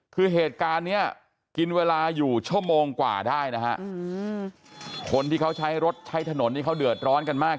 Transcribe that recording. คือเหตุการณ์เนี้ยกินเวลาอยู่ชั่วโมงกว่าได้นะฮะคนที่เขาใช้รถใช้ถนนนี่เขาเดือดร้อนกันมาก